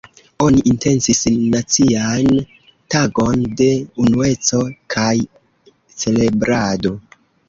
Oni intencis nacian tagon de unueco kaj celebrado.